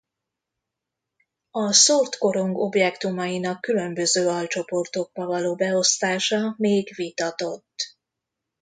A szórt korong objektumainak különböző alcsoportokba való beosztása még vitatott.